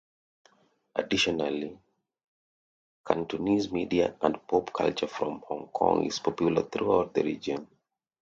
Additionally, Cantonese media and pop culture from Hong Kong is popular throughout the region.